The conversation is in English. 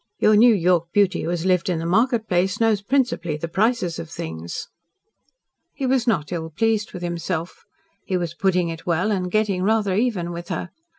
Your New York beauty who has lived in the market place knows principally the prices of things." He was not ill pleased with himself. He was putting it well and getting rather even with her.